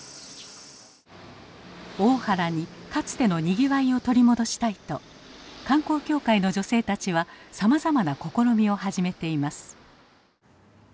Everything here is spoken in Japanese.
大原にかつてのにぎわいを取り戻したいと観光協会の女性たちはさまざまな試みを始めています。